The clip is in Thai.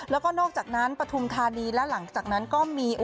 แล้วก็นอกจากนั้นปฐุมธานีและหลังจากนั้นก็มี